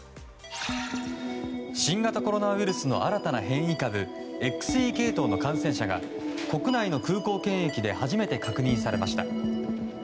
新型コロナウイルスの新たな変異株ＸＥ系統の感染者が国内の空港検疫で初めて確認されました。